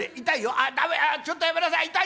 あっちょっとやめなさい痛い！